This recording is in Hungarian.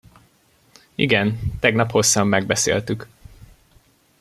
Igen, tegnap hosszan megbeszéltük.